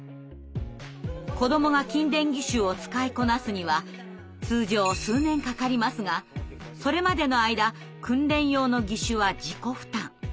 子どもが筋電義手を使いこなすには通常数年かかりますがそれまでの間訓練用の義手は自己負担。